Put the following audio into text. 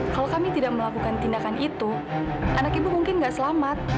kalau kami tidak melakukan tindakan itu anak ibu mungkin nggak selamat